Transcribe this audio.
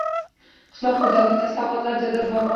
Qishloq xo‘jaligida islohotlar jadal bormoqda